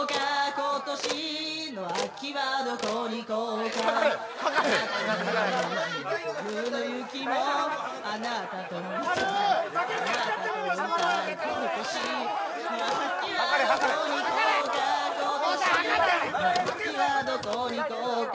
今年の秋はどこに行こうか？